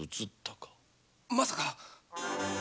まさか！？